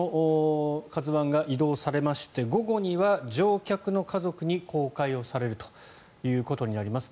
この「ＫＡＺＵ１」が移動されまして、午後には乗客の家族に公開をされるということになります。